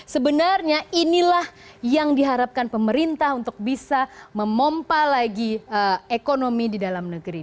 sebenarnya inilah yang diharapkan pemerintah untuk bisa memompa lagi ekonomi di dalam negeri